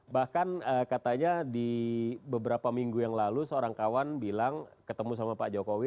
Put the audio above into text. bahkan katanya di beberapa minggu yang lalu seorang kawan bilang ketemu sama pak jokowi